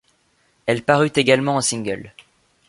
Elle parut également en single.